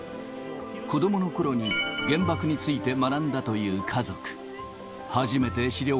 子どものころに原爆について学んだという家族。